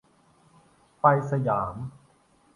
ไป สยาม